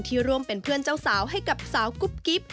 ร่วมเป็นเพื่อนเจ้าสาวให้กับสาวกุ๊บกิ๊บ